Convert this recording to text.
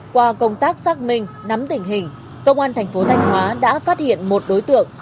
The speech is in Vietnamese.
qua công tác xác minh nắm tình hình công an thành phố thanh hóa đã phát hiện một đối tượng